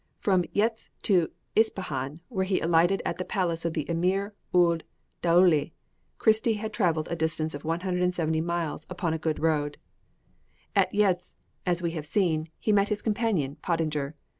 From Yezd to Ispahan, where he alighted at the palace of the Emir Oud Daoulé, Christie had travelled a distance of 170 miles upon a good road. At Yezd, as we have seen, he met his companion, Pottinger.